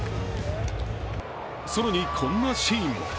更に、こんなシーンも。